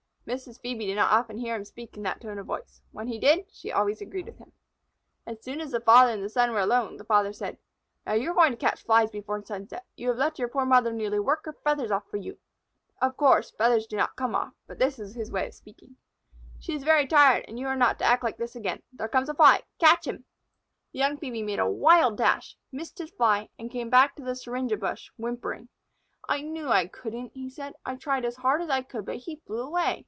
Mrs. Phœbe did not often hear him speak in that tone of voice. When he did, she always agreed with him. As soon as father and son were alone, the father said: "Now you are going to catch Flies before sunset. You have let your poor mother nearly work her feathers off for you. (Of course, feathers do not come off so, but this was his way of speaking.) She is very tired, and you are not to act like this again. There comes a Fly. Catch him!" The young Phœbe made a wild dash, missed his Fly, and came back to the syringa bush whimpering. "I knew I couldn't," he said. "I tried as hard as I could, but he flew away."